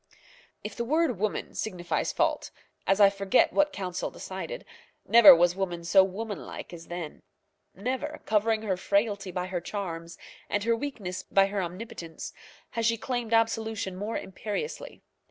If the word woman signifies fault, as I forget what Council decided, never was woman so womanlike as then. Never, covering her frailty by her charms, and her weakness by her omnipotence, has she claimed absolution more imperiously.